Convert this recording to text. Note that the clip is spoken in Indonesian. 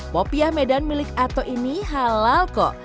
popiah medan milik ato ini halal kok